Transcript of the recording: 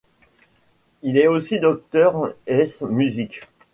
Il est aussi docteur ès musique.